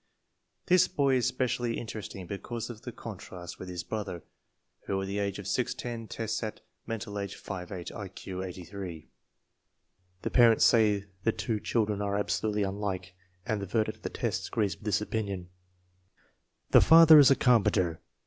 This boy is specially interesting because of the con trast with his brother, who at the age of 6 10 tests at mental age 5 8 ; I Q 88. The parents say the two chil dren are absolutely unlike, and the verdict of the tests agrees with this opinion. The father is a carpenter.